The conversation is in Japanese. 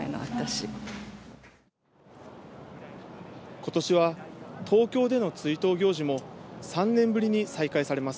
今年は東京での追悼行事も３年ぶりに再開されます。